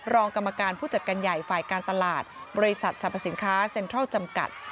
รองกรรมการผู้จัดการใหญ่ฝ่ายการตลาดบริษัทสรรพสินค้าเซ็นทรัลจำกัด